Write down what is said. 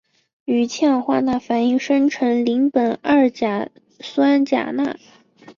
与氢氧化钠反应生成邻苯二甲酸钾钠。